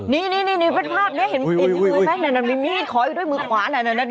นี่เป็นภาพเห็นมีดขออยู่ด้วยมือขวา